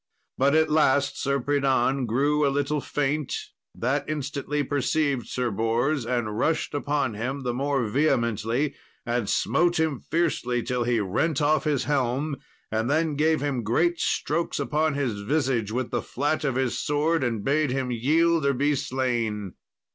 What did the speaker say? But at last Sir Pridan grew a little faint; that instantly perceived Sir Bors, and rushed upon him the more vehemently, and smote him fiercely, till he rent off his helm, and then gave him great strokes upon his visage with the flat of his sword, and bade him yield or be slain.